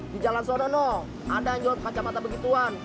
di jalan sono ada yang jual kacamata begituan